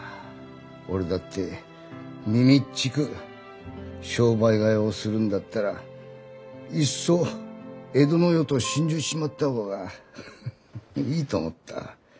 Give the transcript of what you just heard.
俺だってみみっちく商売替えをするんだったらいっそ江戸の世と心中しちまった方がフフッいいと思った。